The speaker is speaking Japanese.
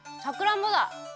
さくらんぼだ！